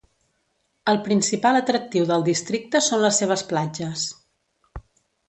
El principal atractiu del districte són les seves platges.